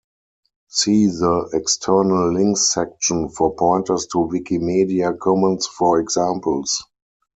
See the "External links" section for pointers to Wikimedia Commons for examples.